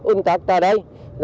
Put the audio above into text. ưu tác tại đây